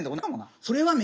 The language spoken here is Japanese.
それは。